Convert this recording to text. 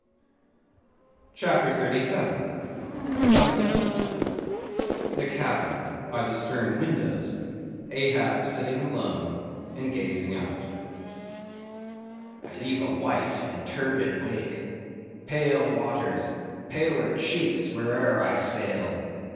CHAPTER 37. Sunset. The cabin; by the stern windows; Ahab sitting alone, and gazing out. I leave a white and turbid wake; pale waters, paler cheeks, where'er I sail.